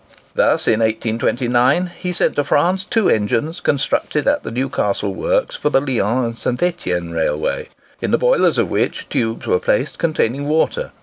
Thus, in 1829, he sent to France two engines constructed at the Newcastle works for the Lyons and St. Etienne Railway, in the boilers of which tubes were placed containing water.